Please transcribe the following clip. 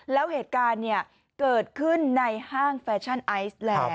แล้วเหตุการณ์เกิดขึ้นในห้างแฟชั่นไอซ์แลนด